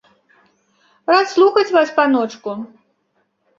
Рад слухаць вас, паночку.